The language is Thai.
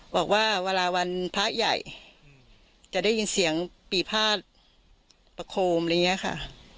บอกว่าเวลาวันพระใหญ่จะได้ยินเสียงปีภาษประโคมอะไรอย่างนี้ค่ะ